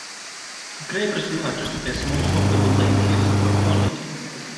Carver's largest and most notable lake is Waconia Lake.